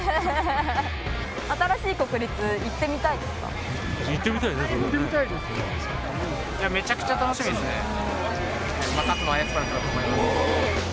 新しい国立行ってみたいですか？